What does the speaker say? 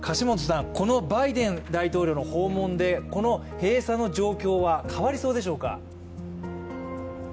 このバイデン大統領の訪問でこの閉鎖の状況は変わりそうでしょうか。